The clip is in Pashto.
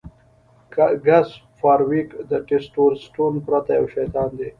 ګس فارویک د ټسټورسټون پرته یو شیطان دی